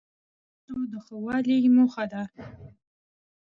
دا د چارو د ښه والي په موخه دی.